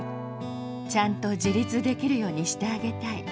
ちゃんと自立できるようにしてあげたい。